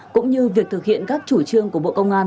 cũng như việc thực hiện các chủ trương của bộ công an